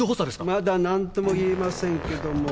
まだ何とも言えませんけども。